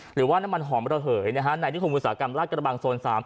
หรือว่าน้ำมันหอมระเหยในนิคมอุตสาหกรรมลาดกระบังโซน๓